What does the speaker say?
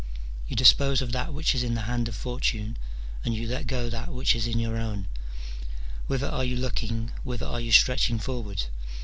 You dispose of that which is in the hand of Fortune, and you let go that which is in your own. Whither are you looking, whither are you stretching forward